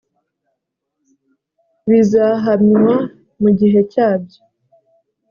bizahamywa mu gihe cyabyo